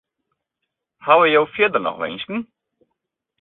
Hawwe jo fierder noch winsken?